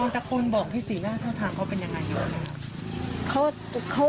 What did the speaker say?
ตะโกนบอกพี่ศรีหน้าเท่าทางเขาเป็นอย่างไรอยู่หรือเปล่า